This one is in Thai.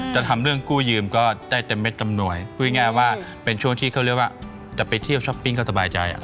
จะทำเรื่องกู้ยืมก็ได้เต็มเม็ดเต็มหน่วยพูดง่ายว่าเป็นช่วงที่เขาเรียกว่าจะไปเที่ยวช้อปปิ้งก็สบายใจ